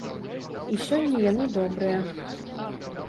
І сёння яны добрыя.